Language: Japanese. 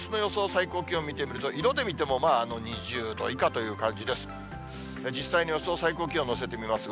最高気温見てみると、色で見ても、まあ２０度以下という感じです。